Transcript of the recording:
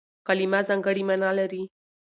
کلیمه ځانګړې مانا لري.